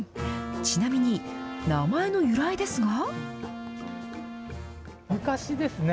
ちなみに名前の由来ですが。